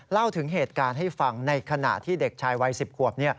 เล่าถึงเหตุการณ์ให้ฟังในขณะที่เด็กชายวัย๑๐ขวบ